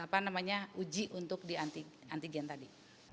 jadi apa namanya uji untuk di antigen tadi